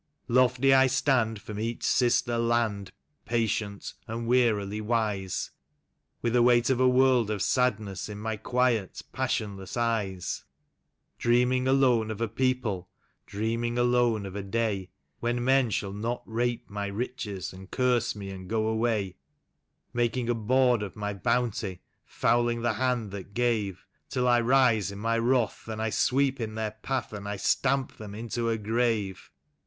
" Lofty I stand from each sister land, patient and wearily wise, With the weight of a world of sadness in my quiet, passionless eyes; Dreaming alone of a people, dreaming alone of a day, When men shall not rape my riches, and curse me and go away; 10 THE LA W OF THE YUKON. Making a bawd of my bounty, fouling the hand that gave — Till I rise in my wrath and I sweep on their path and I stamp them into a grave.